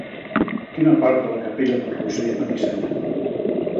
Quina part de la Capella del Roser va dissenyar?